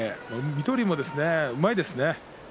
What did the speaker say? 水戸龍もうまいですね。